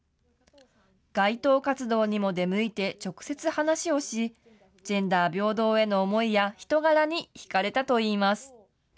街頭活動にも出向いて、直接話をし、ジェンダー平等への思いや、人柄に引かれたといいます。